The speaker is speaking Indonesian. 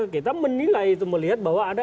kita menilai itu melihat bahwa ada